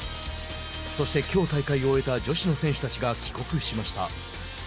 そして、きょう大会を終えた女子の選手たちが帰国しました。